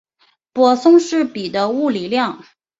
泊松式比的物理量。